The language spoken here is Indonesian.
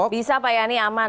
bisa pak yani aman